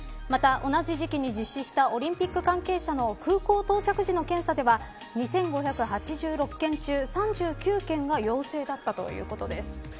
また、同じ時期に実施したオリンピック関係者の空港到着時の検査では２５８６件のうち３９件が陽性だったということです。